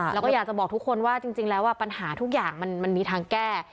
แล้วก็อยากจะบอกทุกคนว่าจริงแล้วปัญหาทุกอย่างมันมีทางแก้